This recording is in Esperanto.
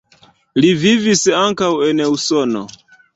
Li vivis ankaŭ en Usono.